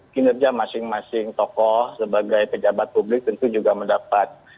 kinerja masing masing tokoh sebagai pejabat publik tentu juga mendapat